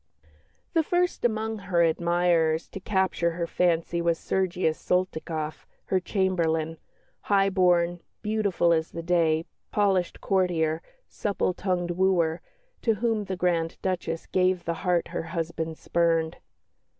The first among her admirers to capture her fancy was Sergius Soltykoff, her chamberlain, high born, "beautiful as the day," polished courtier, supple tongued wooer, to whom the Grand Duchess gave the heart her husband spurned.